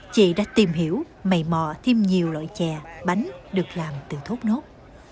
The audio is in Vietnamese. chị đã tìm hiểu mầy mò thêm nhiều loại chè bánh được làm từ thốt nốt